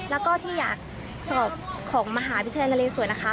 แล้วก็ที่อยากสอบของมหาวิทยาลัยนาเลสวยนะคะ